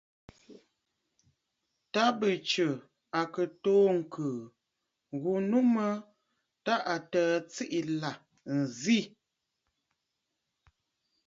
Ta bɨ Tsə̀ à kɨ toò ŋ̀kɨ̀ɨ̀ ghu nu mə tâ təə tsiʼì la nzì.